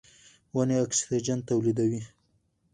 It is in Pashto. ونې اکسیجن تولیدوي.